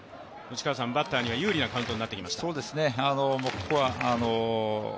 バッターには有利なカウントになってきました。